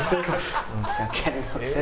申し訳ありませんって。